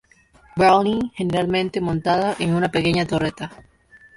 Browning, generalmente montada en una pequeña torreta.